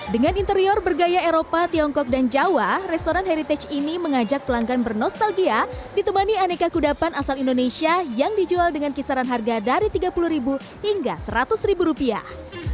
dengan interior bergaya eropa tiongkok dan jawa restoran heritage ini mengajak pelanggan bernostalgia ditemani aneka kudapan asal indonesia yang dijual dengan kisaran harga dari tiga puluh hingga seratus ribu rupiah